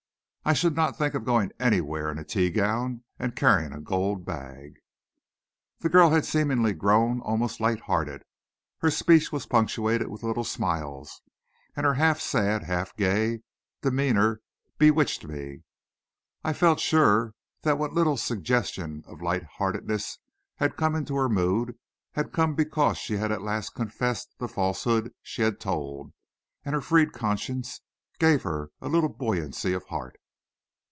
I should not think of going anywhere in a tea gown, and carrying a gold bag." The girl had seemingly grown almost lighthearted. Her speech was punctuated by little smiles, and her half sad, half gay demeanor bewitched me. I felt sure that what little suggestion of lightheartedness had come into her mood had come because she had at last confessed the falsehood she had told, and her freed conscience gave her a little buoyancy of heart.